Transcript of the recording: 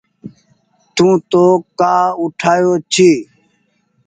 تو تونٚ ڪآ اُٺآيو ڇي